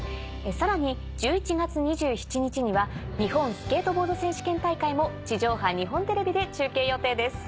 さらに１１月２７日には日本スケートボード選手権大会も地上波日本テレビで中継予定です。